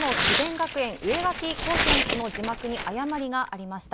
学園植垣洸選手の字幕に誤りがありました。